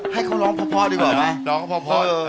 ให้เขาร้องพอดีกว่าแม่